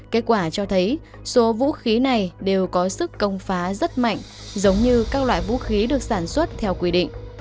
kết quả cho thấy số vũ khí này đều có sức công phá rất mạnh giống như các loại vũ khí được sản xuất theo quy định